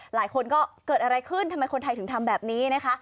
หลายคนก็เกิดอะไรขึ้นทำไมคนไทยถึงทำแบบนี้นะคะ